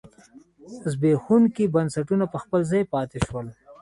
زبېښونکي بنسټونه په خپل ځای پاتې شول.